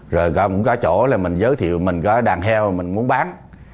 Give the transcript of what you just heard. rồi gh cũng có chỗ là mình giới thiệu mình có đàn heo mình muốn bán